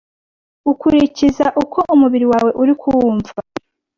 ukurikiza uko umubiri wawe uri kuwumva